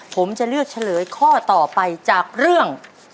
ผมจะเลือกเฉลยข้อต่อไปจากเรื่อง